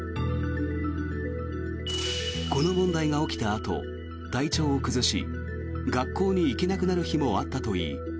この問題が起きたあと体調を崩し学校に行けなくなる日もあったといい